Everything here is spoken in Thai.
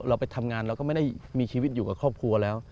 เราไปทำงานเราก็ไม่ได้มีชีวิตอยู่กับครอบครัวแล้ว